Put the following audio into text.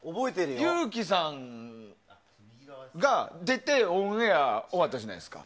ゆうきさんが出てオンエア終わったじゃないですか。